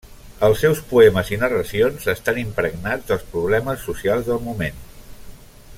Els seus poemes i narracions estan impregnats dels problemes socials del moment.